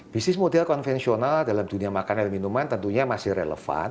bisnis model konvensional dalam dunia makanan dan minuman tentunya masih relevan